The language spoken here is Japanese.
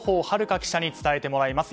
玄記者に伝えてもらいます。